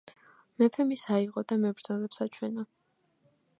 მეფემ ის აიღო და მებრძოლებს აჩვენა.